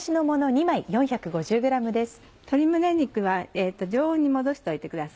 鶏胸肉は常温に戻しておいてくださいね。